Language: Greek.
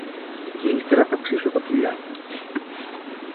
και ύστερα θα ψήσω τα πουλιά